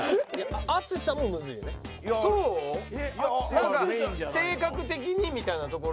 なんか性格的にみたいなところ。